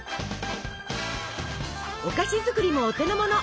お菓子作りもお手のもの！